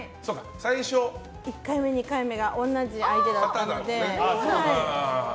１回目、２回目が同じ相手だったので。